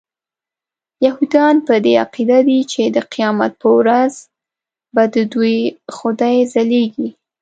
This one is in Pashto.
یهودان په دې عقیده دي چې د قیامت په ورځ به ددوی خدای ځلیږي.